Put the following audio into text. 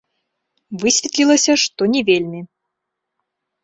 Высветлілася, што не вельмі.